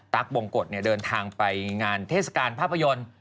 บงกฎเดินทางไปงานเทศกาลภาพยนตร์